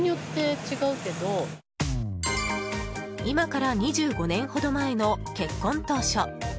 今から２５年ほど前の結婚当初